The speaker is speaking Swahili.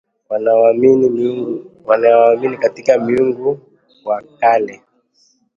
wanaoamini katika miungu wa kale